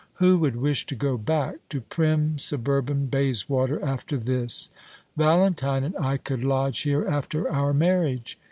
"Who would wish to go back to prim suburban Bayswater after this? Valentine and I could lodge here after our marriage.